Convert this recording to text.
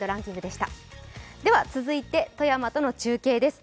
続いて富山との中継です。